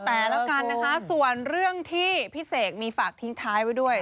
แต่ละกันนะคะส่วนเรื่องที่พี่เสกมีฝากทิ้งท้ายไว้ด้วย